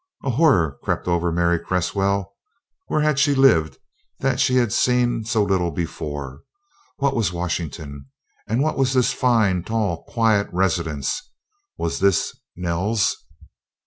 A horror crept over Mary Cresswell: where had she lived that she had seen so little before? What was Washington, and what was this fine, tall, quiet residence? Was this "Nell's"?